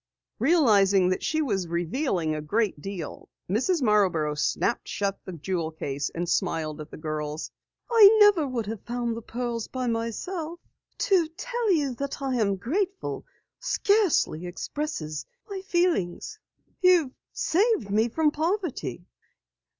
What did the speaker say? Realizing that she was revealing a great deal, Mrs. Marborough snapped shut the jewel case and smiled at the girls. "I never should have found the pearls by myself. To tell you that I am grateful scarcely expresses my feelings. You've saved me from poverty."